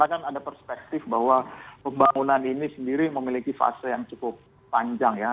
karena kan ada perspektif bahwa pembangunan ini sendiri memiliki fase yang cukup panjang ya